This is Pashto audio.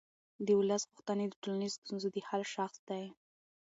د ولس غوښتنې د ټولنیزو ستونزو د حل شاخص دی